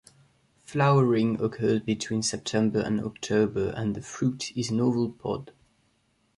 Flowering occurs between September and October and the fruit is an oval pod.